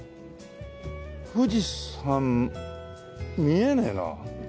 富士山見えねえな。